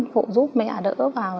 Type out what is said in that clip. phụ giúp mẹ đỡ vào